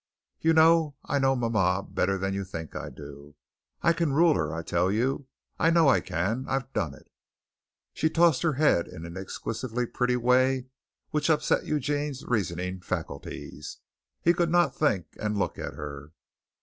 "You know, I know mama better than you think I do. I can rule her, I tell you. I know I can. I've done it." She tossed her head in an exquisitely pretty way which upset Eugene's reasoning faculties. He could not think and look at her.